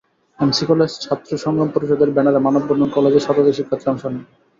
MC college ছাত্র সংগ্রাম পরিষদের ব্যানারে মানববন্ধনে কলেজের শতাধিক শিক্ষার্থী অংশ নেন।